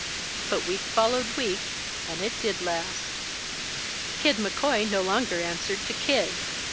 But week followed week, and it did last. Kid McCoy no longer answered to "Kid."